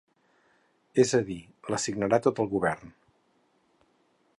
És a dir, la signarà tot el govern.